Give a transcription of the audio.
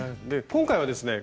今回はですね